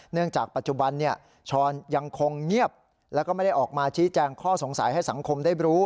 จากปัจจุบันช้อนยังคงเงียบแล้วก็ไม่ได้ออกมาชี้แจงข้อสงสัยให้สังคมได้รู้